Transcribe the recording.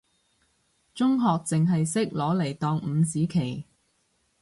中學淨係識攞嚟當五子棋，